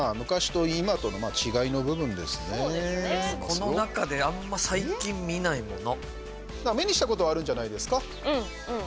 この中であんま最近見ないもの。